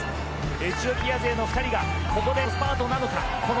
エチオピア勢の２人がここでスパートなのか。